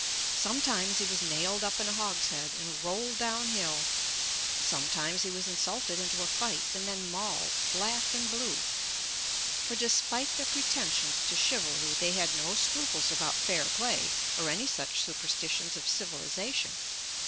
Sometimes he was nailed up in a hogshead and rolled down hill; sometimes he was insulted into a fight and then mauled black and blue; for despite their pretensions to chivalry they had no scruples about fair play or any such superstitions of civilization.